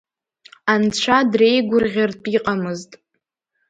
Анцәа дреигәырӷьартә иҟамыз!